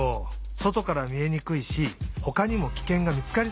そとからみえにくいしほかにもきけんがみつかりそうだ。